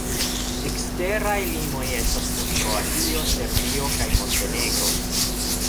Eksteraj limoj estas kun Kroatio, Serbio kaj Montenegro.